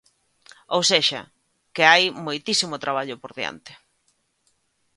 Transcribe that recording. Ou sexa, que hai moitísimo traballo por diante.